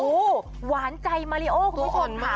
โอ้โหหวานใจมาริโอ้คุณผู้ชมตัวอ่อนมาก